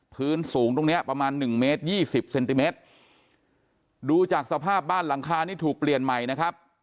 พื้นสูงตรงเนี้ยประมาณหนึ่งเมตรยี่สิบเซนติเมตรดูจากสภาพบ้านหลังคานี้ถูกเปลี่ยนใหม่นะครับ